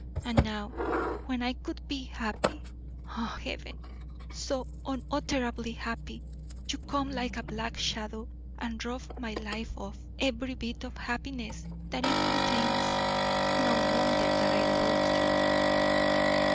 And now, when I could be happy ah, Heaven, so unutterably happy you come like a black shadow and rob my life of every bit of happiness that it contains. No wonder that I loathe you!"